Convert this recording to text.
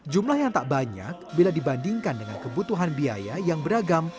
jumlah yang tak banyak bila dibandingkan dengan kebutuhan biaya yang beragam